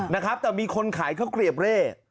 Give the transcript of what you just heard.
นะครับแต่มีคนขายข้าวเกลียบเร่